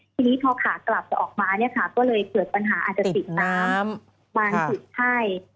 ทีนี้พอขากลับจะออกมาก็เลยเกิดปัญหาอาจจะติดตามบางสุขไทย